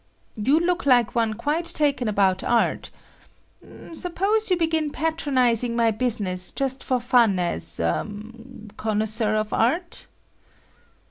"You look like one quite taken about art. Suppose you begin patronizing my business just for fun as er—connoisseur of art?"